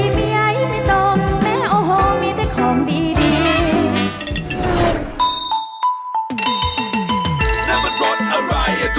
มันไม่ใช่ลดประหาสนุก